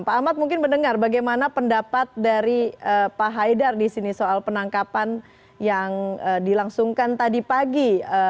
pak ahmad mungkin mendengar bagaimana pendapat dari pak haidar di sini soal penangkapan yang dilangsungkan tadi pagi